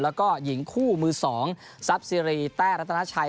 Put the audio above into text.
และก็หญิงคู่มือ๒สับซีลีแทร่รตนไตไชย